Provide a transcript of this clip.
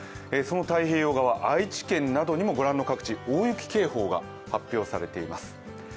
その太平洋側、愛知県などにも御覧の各地、大雪警報が発表されています。